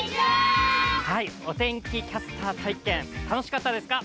お天気キャスター体験、楽しかったですか？